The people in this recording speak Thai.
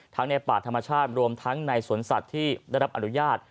ในป่าธรรมชาติรวมทั้งในสวนสัตว์ที่ได้รับอนุญาต